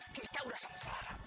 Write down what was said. kita sudah sengsara